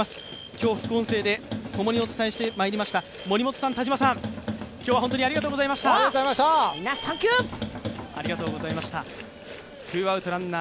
今日副音声で共にお伝えしてまいりました、森本さん田島さんありがとうございました。